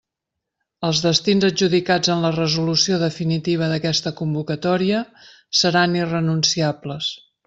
Els destins adjudicats en la resolució definitiva d'aquesta convocatòria seran irrenunciables.